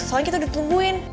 soalnya kita udah ditungguin